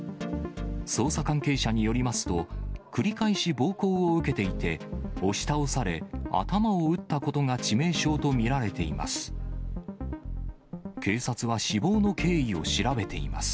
捜査関係者によりますと、繰り返し暴行を受けていて、押し倒され、頭を打ったことが致命傷と見られています。